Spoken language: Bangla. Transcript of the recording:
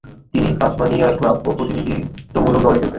তিনি তাসমানিয়ার ক্লাব ও প্রতিনিধিত্বমূলক দলে খেলতেন।